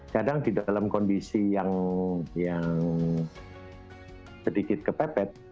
kadang di dalam kondisi yang sedikit kepepet